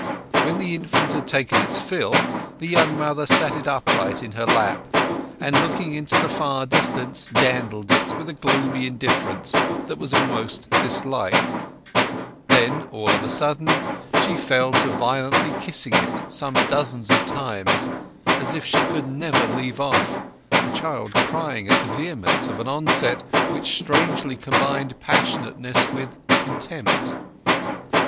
When the infant had taken its fill, the young mother sat it upright in her lap, and looking into the far distance, dandled it with a gloomy indifference that was almost dislike; then all of a sudden she fell to violently kissing it some dozens of times, as if she could never leave off, the child crying at the vehemence of an onset which strangely combined passionateness with contempt.